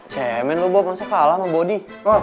cemen lu bob rasa kalah sama bodi